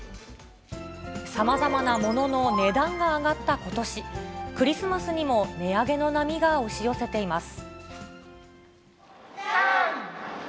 さまざまなものの値段が上がったことし、クリスマスにも値上げの波が押し寄せています。